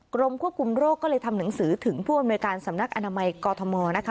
กรมควบคุมโรคก็เลยทำหนังสือถึงผู้อำนวยการสำนักอนามัยกอทมนะคะ